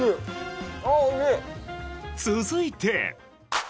続いて。